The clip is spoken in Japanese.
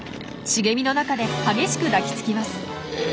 茂みの中で激しく抱きつきます。